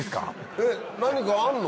えっ何かあんの？